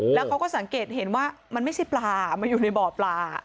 แล้วเขาก็สังเกตเห็นว่ามันไม่ใช่ปลามันอยู่ในบ่อปลา